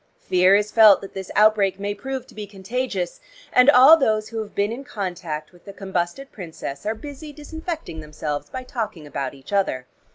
Fear is felt that this outbreak may prove to be contagious, and all those who have been in contact with the combusted princess are busy disinfecting themselves by talking about each other.